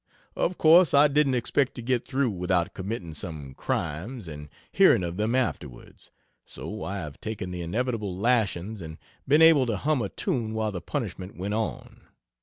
Of course I didn't expect to get through without committing some crimes and hearing of them afterwards, so I have taken the inevitable lashings and been able to hum a tune while the punishment went on.